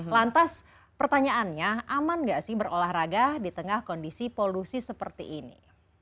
lantas pertanyaannya aman gak sih berolahraga di tengah kondisi polusi seperti ini